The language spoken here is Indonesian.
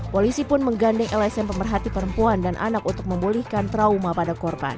polisi pun menggandeng lsm pemerhati perempuan dan anak untuk memulihkan trauma pada korban